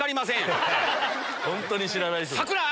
本当に知らない人だ。